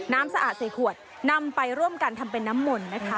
น้ำสะอาด๔ขวดนำไปร่วมกันทำเป็นน้ำมนต์นะคะ